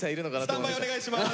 スタンバイお願いします！